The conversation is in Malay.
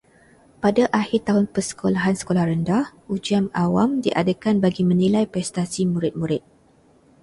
Pada akhir tahun persekolahan sekolah rendah, ujian awam diadakan bagi menilai prestasi murid-murid.